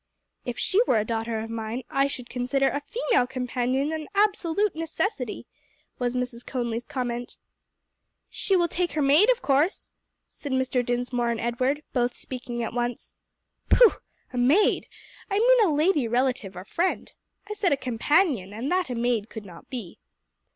"If she were a daughter of mine, I should consider a female companion an absolute necessity," was Mrs. Conly's comment. "She will take her maid of course," said Mr. Dinsmore and Edward, both speaking at once. "Pooh! a maid! I mean a lady relative or friend. I said a companion, and that a maid could not be."